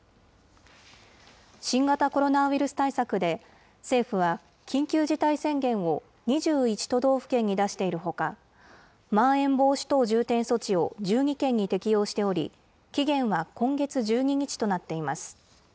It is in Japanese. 新型コロナウイルス対策で、政府は、緊急事態宣言を２１都道府県に出しているほか、まん延防止等重点措置を１２県に適用しており、期限は今月１２日となっています。